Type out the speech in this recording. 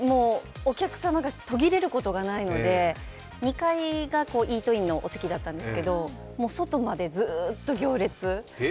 お客様が途切れることがないので、２階がイートインのお席だったんですけど、外までずーっと行列。